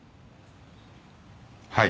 はい。